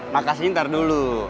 makasih ntar dulu